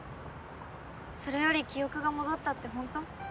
それより記憶が戻ったってホント？